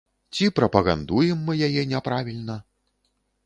Ці прапагандуем мы яе не правільна?